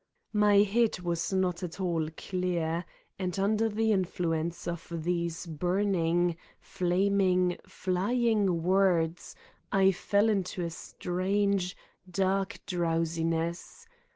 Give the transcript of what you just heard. My head was not at all clear and, under the influence of these burning, flaming, flying words I fell into a strange, dark drowsiness.